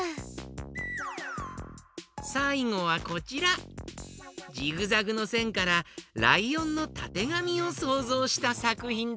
さいごはこちらジグザグのせんからライオンのたてがみをそうぞうしたさくひんだよ。